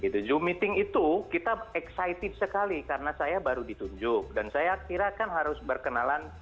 zoom meeting itu kita excited sekali karena saya baru ditunjuk dan saya kira kan harus berkenalan